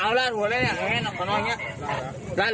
เอาร้านหัวเลยกันอ่ะ